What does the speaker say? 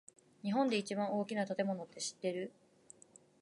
日本で一番大きな建物って知ってる？